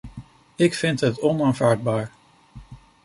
Ik vind het onaanvaardbaar.